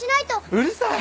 うるさい！